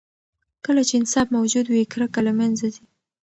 کله چې انصاف موجود وي، کرکه له منځه ځي.